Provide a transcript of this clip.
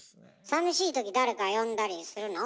さみしい時誰か呼んだりするの？